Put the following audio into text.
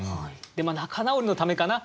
でまあ仲直りのためかな？